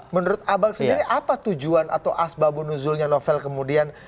menurut abang sendiri apa tujuan atau asbabunuzulnya novel kemudian